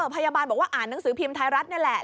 พยาบาลบอกว่าอ่านหนังสือพิมพ์ไทยรัฐนี่แหละ